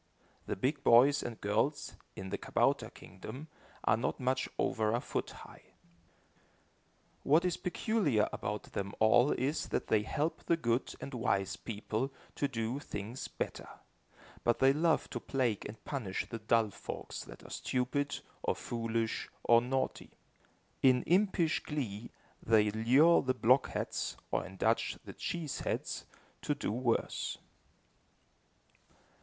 The big boys and girls, in the kabouter kingdom, are not much over a foot high. [Illustration: THE MASTER OF THE CHOIR TRIED AGAIN AND AGAIN] What is peculiar about them all is, that they help the good and wise people to do things better; but they love to plague and punish the dull folks, that are stupid, or foolish or naughty. In impish glee, they lure the blockheads, or in Dutch, the "cheese heads," to do worse.